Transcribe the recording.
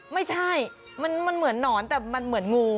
ไม่ใช่มันเหมือนหนอนแต่มันเหมือนงู